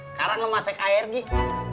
sekarang lu masak air gih